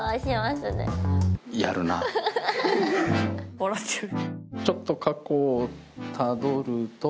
笑ってる。